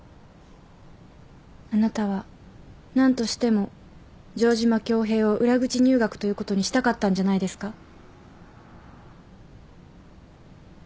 あなたは何としても城島恭平を裏口入学ということにしたかったんじゃないですか？